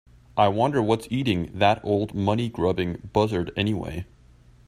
I wonder what's eating that old money grubbing buzzard anyway?